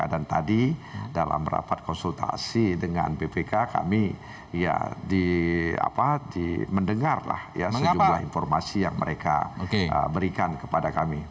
dan tadi dalam rapat konsultasi dengan bpk kami mendengarlah sejumlah informasi yang mereka berikan kepada kami